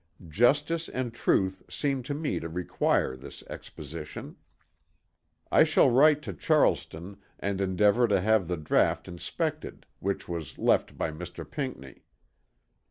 Justice and truth seem to me to require this exposition. I shall write to Charleston, and endeavor to have the draught inspected, which was left by Mr. Pinckney.